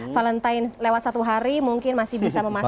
valentine lewat satu hari mungkin masih bisa memasak